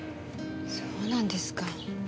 そうなんですか。